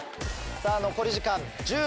さぁ残り時間１０秒。